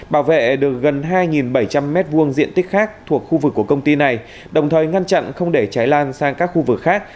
bảo vệ được gần hai bảy trăm linh m hai diện tích khác thuộc khu vực của công ty này đồng thời ngăn chặn không để cháy lan sang các khu vực khác